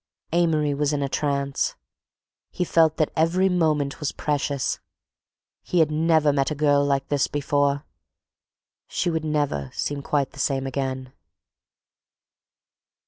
Amory was in a trance. He felt that every moment was precious. He had never met a girl like this before—she would never seem quite the same again.